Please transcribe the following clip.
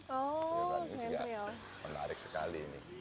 oh menarik sekali ini